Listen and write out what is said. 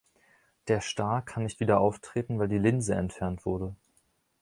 Der Star kann nicht wieder auftreten, weil die Linse entfernt wurde.